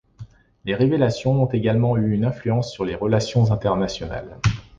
Les révélations ont également eu une influence sur les relations internationales.